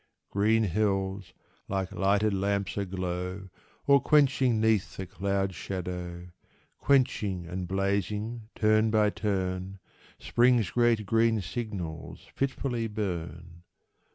Green hills, like lighted lamps aglow Or quenching 'neath the cloud shadow; Quenching and blazing turn by turn, Spring's great green signals fitfully burn.